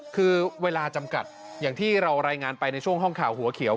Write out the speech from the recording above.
คือเวลาจำกัดอย่างที่เรารายงานไปในช่วงห้องข่าวหัวเขียว